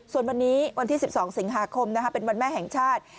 ส่วนวันนี้วันที่๑๒สิงหาคมเป็นวันแม่แห่งชาติ